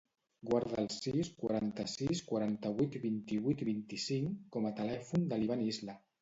Guarda el sis, quaranta-sis, quaranta-vuit, vint-i-vuit, vint-i-cinc com a telèfon de l'Ivan Isla.